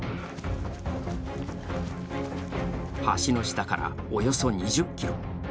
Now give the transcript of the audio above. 橋の下からおよそ２０ｋｍ。